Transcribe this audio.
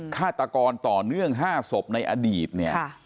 คาตากรต่อเนื่อง๕สมในอดีตนี้ค่ะ